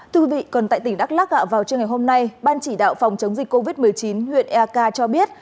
thưa quý vị còn tại tỉnh đắk lắc vào trường ngày hôm nay ban chỉ đạo phòng chống dịch covid một mươi chín huyện ea ca cho biết